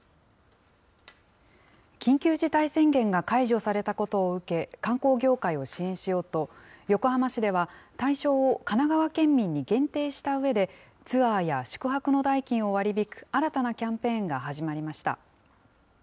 緊急事態宣言が解除されたことを受け、観光業界を支援しようと、横浜市では対象を神奈川県民に限定したうえで、ツアーや宿泊の代金を割り引く新たなキャンペーンが始まりました。